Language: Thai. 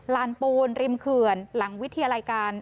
ลานปูนริมเขื่อนหลังวิทยาลัยการ